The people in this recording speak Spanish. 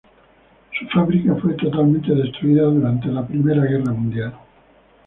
Su fábrica fue totalmente destruida durante la Primera Guerra Mundial.